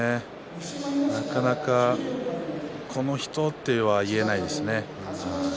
なかなかこの人とは言えないですね。